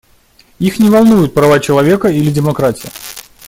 Их не волнуют права человека или демократия.